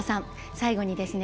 最後にですね